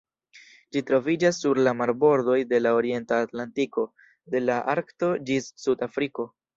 Ĝi troviĝas sur la marbordoj de la Orienta Atlantiko, de la Arkto ĝis Sud-Afriko.